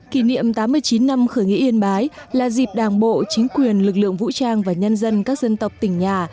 kỷ niệm tám mươi chín năm khởi nghĩa yên bái là dịp đảng bộ chính quyền lực lượng vũ trang và nhân dân các dân tộc tỉnh nhà